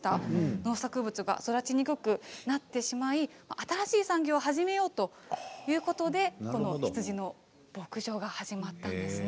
農作物が育ちにくくなってしまい新しい産業を始めようということで羊の牧場が始まったんです。